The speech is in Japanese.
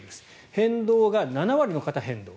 変動が７割の方変動。